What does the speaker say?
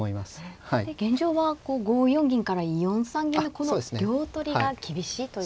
現状は５四銀から４三銀のこの両取りが厳しいということですね。